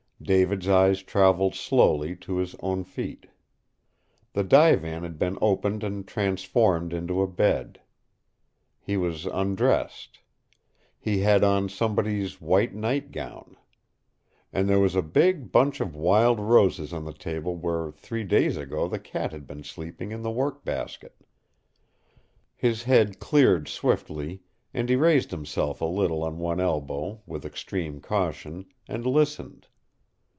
David's eyes traveled slowly to his own feet. The divan had been opened and transformed into a bed. He was undressed. He had on somebody's white nightgown. And there was a big bunch of wild roses on the table where three days ago the cat had been sleeping in the work basket. His head cleared swiftly, and he raised himself a little on one elbow, with extreme caution, and listened.